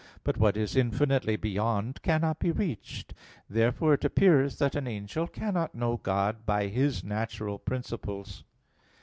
But what is infinitely beyond cannot be reached. Therefore it appears that an angel cannot know God by his natural principles.